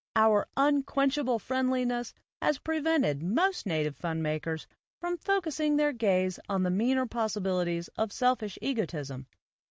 Our unquenchable friendliness has pre vented most native fun makers from focussing their gaze on the meaner possibilities of selfish egotism.